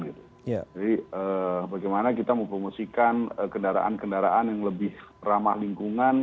jadi bagaimana kita mempromosikan kendaraan kendaraan yang lebih ramah lingkungan